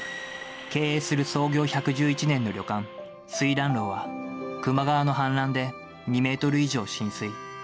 経営する創業１１１年の旅館、翠嵐楼は、球磨川の氾濫で２メートル以上浸水。